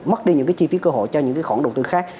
mất đi những cái chi phí cơ hội cho những cái khoản đầu tư khác